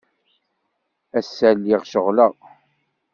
Ass-a, lliɣ ceɣleɣ.